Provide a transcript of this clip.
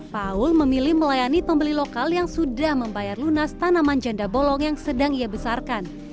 paul memilih melayani pembeli lokal yang sudah membayar lunas tanaman janda bolong yang sedang ia besarkan